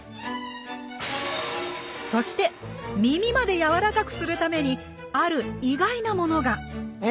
そしてみみまでやわらかくするためにある意外なものがえ！